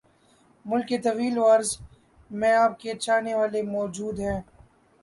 ملک کے طول وعرض میں آپ کے چاہنے والے موجود ہیں